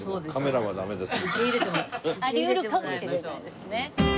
あり得るかもしれないですね。